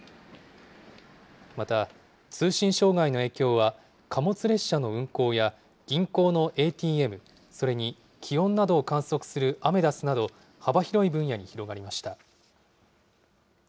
また、通信障害の影響は貨物列車の運行や銀行のＡＴＭ、それに気温などを観測するアメダスなど、幅広い分野に広がりました。